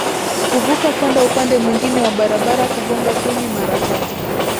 kuvuka kwenda upande mwingine wa barabara Kugonga kuni mara tatu